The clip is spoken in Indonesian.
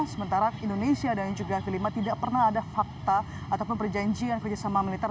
sementara indonesia dan juga filipina tidak pernah ada fakta ataupun perjanjian kerjasama militer